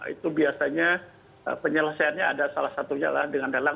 itu biasanya penyelesaiannya ada salah satunya dengan lelang